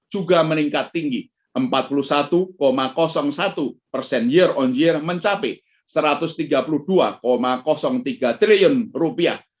juga meningkat tinggi empat puluh satu satu persen year on year mencapai satu ratus tiga puluh dua tiga triliun rupiah